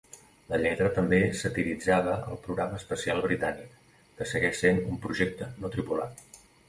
La lletra també satiritzava el programa espacial britànic, que segueix sent un projecte no tripulat.